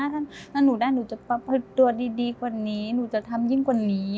ถ้าหนูได้หนูจะปรับตัวดีกว่านี้หนูจะทำยิ่งกว่านี้